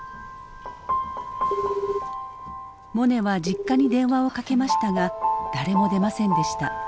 モネは実家に電話をかけましたが誰も出ませんでした。